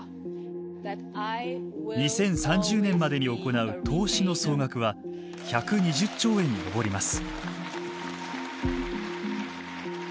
２０３０年までに行う投資の総額は１２０兆円に上ります。